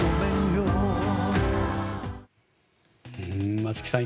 松木さん